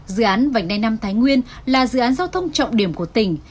dự án vành đai năm thái nguyên là dự án giao thông trọng điểm của tỉnh